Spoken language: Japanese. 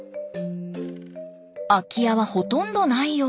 空き家はほとんどないよう。